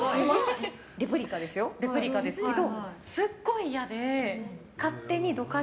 レプリカですけど。